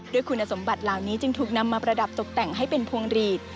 คุณสมบัติเหล่านี้จึงถูกนำมาประดับตกแต่งให้เป็นพวงหลีด